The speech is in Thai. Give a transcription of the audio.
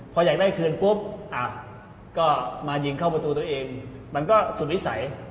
พออยากได้คืนปุ๊บอ่ะก็มายิงเข้าประตูตัวเองมันก็สุดวิสัย